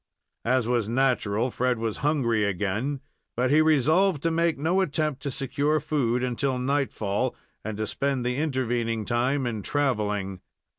As was natural, Fred was hungry again, but he resolved to make no attempt to secure food until night fall, and to spend the intervening time in traveling.